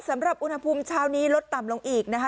สำหรับอุณหภูมิเช้านี้ลดต่ำลงอีกนะคะ